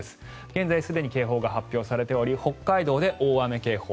現在すでに警報が発表されており北海道で大雨警報